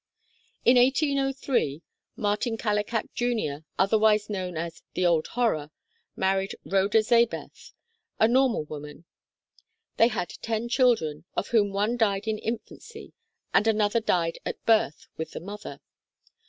In 1803, Martin Kallikak Jr., otherwise known as the "Old Horror," married Rhoda Zabeth, a normal woman. (See Chart II.) They had ten children, of whom one died in infancy and another died at birth with the mother.